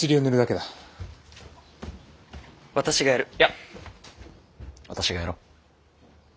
いや私がやろう。